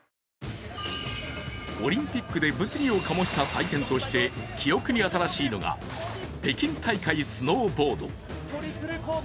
オリンピックで物議を醸した採点として記憶に新しいのが北京大会スノーボード。